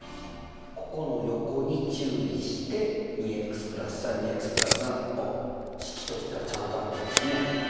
ここの横に注意して（２式としてはちゃんと合ってますね。